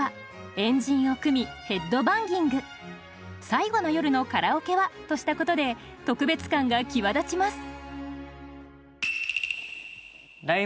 「最後の夜のカラオケは」としたことで特別感が際立ちます。